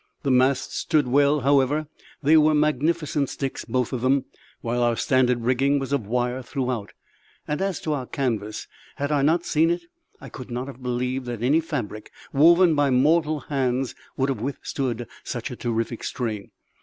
The masts stood well, however they were magnificent sticks, both of them, while our standing rigging was of wire throughout and, as to our canvas, had I not seen it, I could not have believed that any fabric woven by mortal hands would have withstood such a terrific strain.